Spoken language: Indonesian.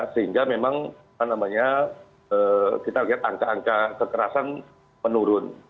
sehingga memang kita lihat angka angka kekerasan menurun